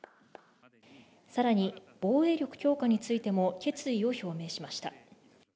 さらに、防衛力強化についても決意を表明しました。